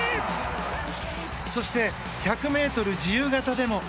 そして１００ｍ自由形でも。